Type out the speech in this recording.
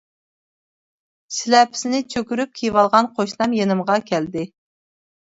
شىلەپىسىنى چۆكۈرۈپ كىيىۋالغان قوشنام يېنىمغا كەلدى.